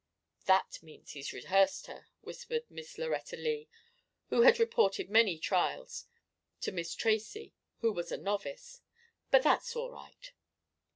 "That means he's rehearsed her," whispered Miss Lauretta Lea, who had reported many trials, to Miss Tracy, who was a novice. "But that's all right."